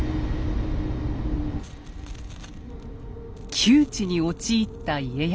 窮地に陥った家康。